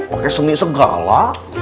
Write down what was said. pake seni segala